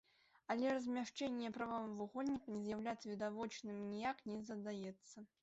Але размяшчэнне прамавугольніка не з'яўляецца відавочным і ніяк не задаецца.